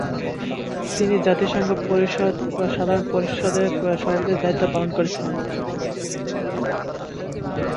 তিনি জাতিসংঘ সাধারণ পরিষদে সভাপতির দায়িত্বও পালন করেছিলেন।